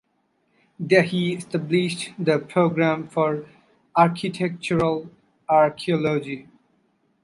There he established the program for architectural archaeology.